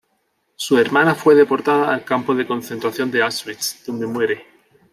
Su hermana fue deportada al campo de concentración de Auschwitz, donde muere.